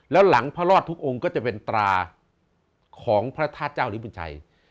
แล้วหลังพระรอดทุกองค์ก็จะเป็นตราของพระธาตุเจ้าลิบุญชัย